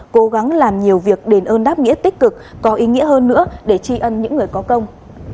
cố gắng làm nhiều việc đền ơn đáp nghĩa tích cực có ý nghĩa hơn nữa để tri ân những người có công